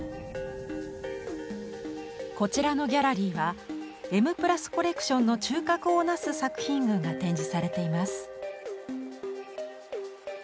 こちらのギャラリーは「Ｍ＋」コレクションの中核を成す作品群が展示されています。